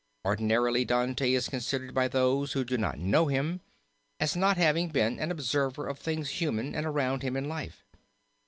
Ordinarily Dante is considered by those who do not know him as not having been an observer of things human and around him in life.